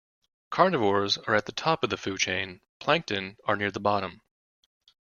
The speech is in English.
Carnivores are at the top of the food chain; plankton are near the bottom